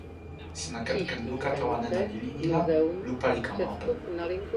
sina kepeken luka tawa nena lili ni la lupa li kama open.